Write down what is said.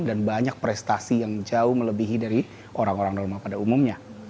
dan banyak prestasi yang jauh melebihi dari orang orang rumah pada umumnya